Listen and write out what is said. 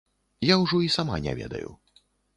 Я ўжо і сама не ведаю.